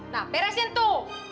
nah peresin tuh